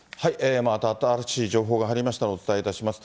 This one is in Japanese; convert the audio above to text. また新しい情報が入りましたら、お伝えいたします。